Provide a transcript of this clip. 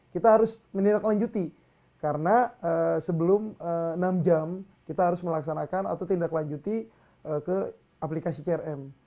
kita harus menindaklanjuti karena sebelum enam jam kita harus melaksanakan atau tindak lanjuti ke aplikasi crm